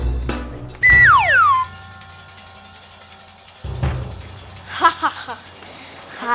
sikat aja bun